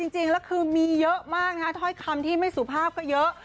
จริงแล้วคือมีเยอะมากนะคะถ้อยคำที่ไม่สุภาพก็เยอะ